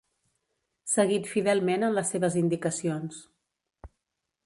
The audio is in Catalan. Seguit fidelment en les seves indicacions.